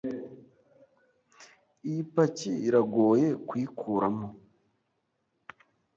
Iyi paki iragoye kuyikuramo.